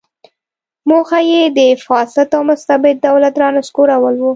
موخه یې د فاسد او مستبد دولت رانسکورول و.